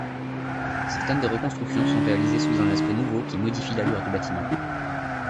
Certaines des reconstructions sont réalisées sous un aspect nouveau qui modifie l'allure du bâtiment.